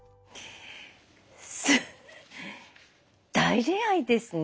大恋愛ですね